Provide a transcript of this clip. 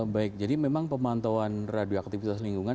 baik jadi memang pemantauan radioaktif di selingkungan